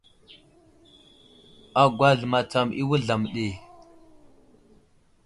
Agwal matsam i wuzlam ɗi.